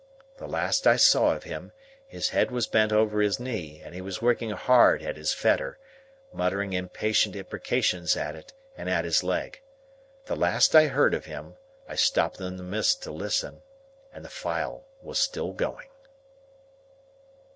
The last I saw of him, his head was bent over his knee and he was working hard at his fetter, muttering impatient imprecations at it and at his leg. The last I heard of him, I stopped in the mist to listen, and the file was still going.